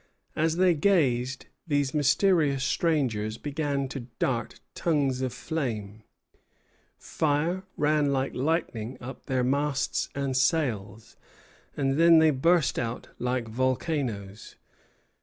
As they gazed, these mysterious strangers began to dart tongues of flame; fire ran like lightning up their masts and sails, and then they burst out like volcanoes.